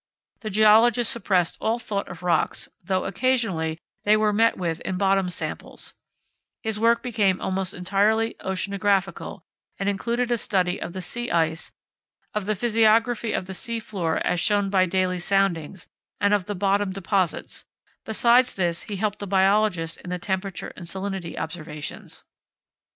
The geologist suppressed all thought of rocks, though occasionally they were met with in bottom samples; his work became almost entirely oceanographical, and included a study of the sea ice, of the physiography of the sea floor as shown by daily soundings, and of the bottom deposits; besides this he helped the biologist in the temperature and salinity observations.